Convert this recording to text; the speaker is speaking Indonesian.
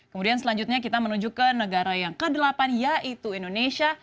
kemudian selanjutnya kita menuju ke negara yang ke delapan yaitu indonesia